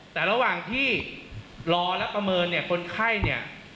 แต่ระหว่างที่รอและประเมินเนี่ยคนไข้เนี่ย